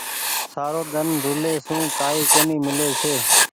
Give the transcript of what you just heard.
سارو ۮن رولي سون ڪآئي ڪونيٚ ميلي ڇي۔